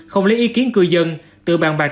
không lấy ý kiến cư dân tự bàn bài